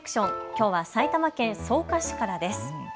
きょうは埼玉県草加市からです。